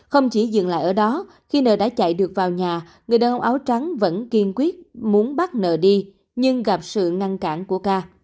không chỉ dừng lại ở đó khi nợ đã chạy được vào nhà người đàn ông áo trắng vẫn kiên quyết muốn bắt nợ đi nhưng gặp sự ngăn cản của ca